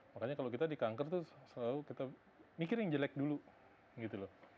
makanya kalau kita di kanker tuh selalu kita mikir yang jelek dulu gitu loh